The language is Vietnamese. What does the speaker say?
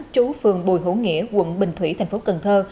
trú phường bùi hữu nghĩa quận bình thủy thành phố cần thơ